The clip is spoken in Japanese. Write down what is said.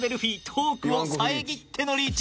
トークを遮ってのリーチ。